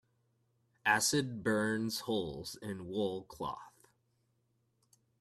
Acid burns holes in wool cloth.